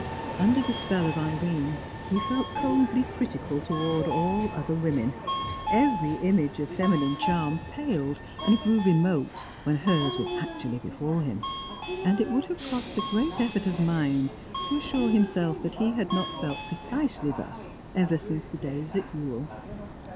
Under the spell of Irene, he felt coldly critical towards all other women; every image of feminine charm paled and grew remote when hers was actually before him, and it would have cost a great effort of mind to assure himself that he had not felt precisely thus ever since the days at Ewell.